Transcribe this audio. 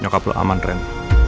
nyokap lu aman ren